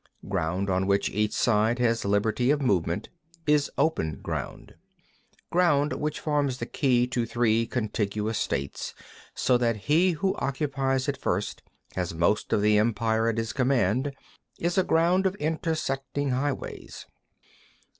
5. Ground on which each side has liberty of movement is open ground. 6. Ground which forms the key to three contiguous states, so that he who occupies it first has most of the Empire at his command, is ground of intersecting highways.